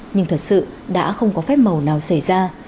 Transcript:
nhưng thật sự đã không có phép màu nào xảy ra